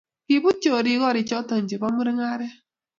Kiput choriik koriikcho chebo mungaret